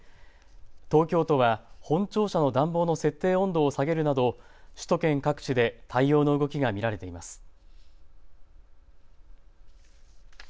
東京都は本庁舎の暖房の設定温度を下げるなど首都圏各地で対応の動きが見られています。